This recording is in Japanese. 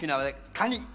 カニ！